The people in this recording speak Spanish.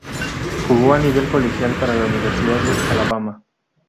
Jugo a nivel colegial para la universidad de Alabama.